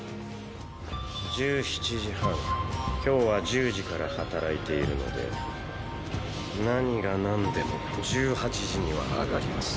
１７時半今日は１０時から働いているので何がなんでも１８時には上がります。